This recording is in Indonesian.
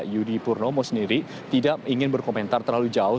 yudi purnomo sendiri tidak ingin berkomentar terlalu jauh